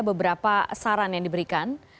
beberapa saran yang diberikan